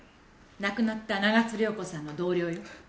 亡くなった長津涼子さんの同僚よ。